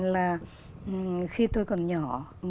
là khi tôi còn nhỏ